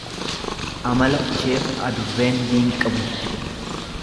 Amala isheef adurreen diinqa bulti.